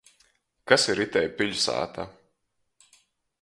Kas ir itei piļsāta?